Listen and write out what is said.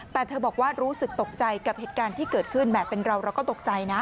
แต่เธอบอกว่ารู้สึกตกใจกับเหตุการณ์ที่เกิดขึ้นแห่เป็นเราเราก็ตกใจนะ